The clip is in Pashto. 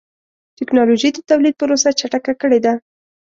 ټکنالوجي د تولید پروسه چټکه کړې ده.